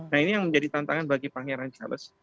nah ini yang menjadi tantangan bagi pangeran charles